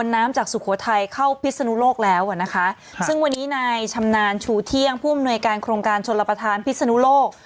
ในการโครงการชนรับประธานพิษนุโลก